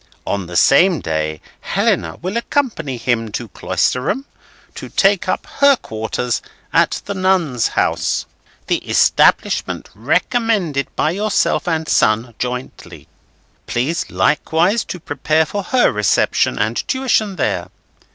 On the same day Helena will accompany him to Cloisterham, to take up her quarters at the Nuns' House, the establishment recommended by yourself and son jointly. Please likewise to prepare for her reception and tuition there.